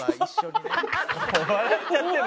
「もう笑っちゃってるの」